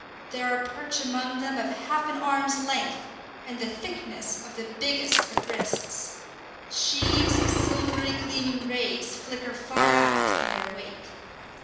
There are perch among them of half an arm's length, and the thickness of the biggest of wrists. Sheaves of silvery gleaming rays flicker far out in their wake.